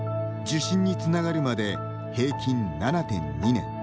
受診につながるまで平均７．２年。